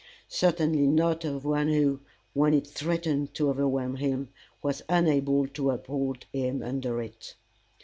Certainly not of one who, when it threatened to overwhelm him, was unable to uphold him under it!